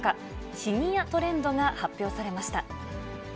シニアトレンドが発表されました。